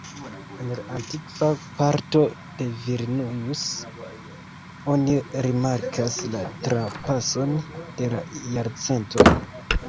En la antikva parto de Vilnius oni rimarkas la trapason de la jarcentoj.